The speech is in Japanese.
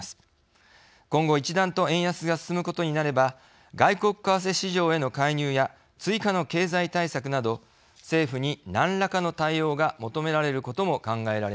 今後一段と円安が進むことになれば外国為替市場への介入や追加の経済対策など政府になんらかの対応が求められることも考えられます。